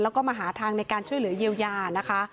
แล้วก็มาหาทางในการช่วยเหลือเยียวยานะคะ